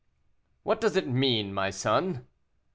"What does it mean, my son?"